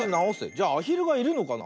じゃアヒルがいるのかな？